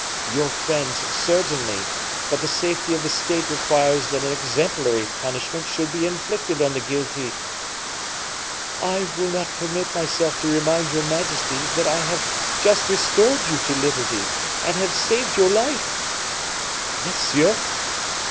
"Your friends, certainly; but the safety of the state requires that an exemplary punishment should be inflicted on the guilty." "I will not permit myself to remind your majesty that I have just restored you to liberty, and have saved your life." "Monsieur!"